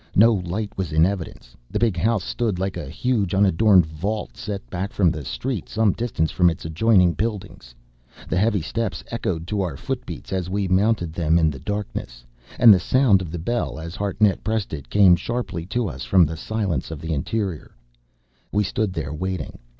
No light was in evidence. The big house stood like a huge, unadorned vault set back from the street, some distance from its adjoining buildings. The heavy steps echoed to our footbeats as we mounted them in the darkness; and the sound of the bell, as Hartnett pressed it came sharply to us from the silence of the interior. We stood there, waiting.